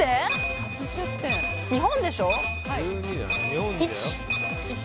日本でしょ？